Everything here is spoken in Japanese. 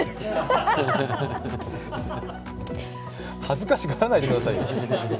恥ずかしがらないでくださいよ。